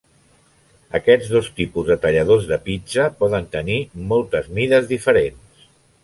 Aquests dos tipus de talladors de pizza poden tenir moltes mides diferents.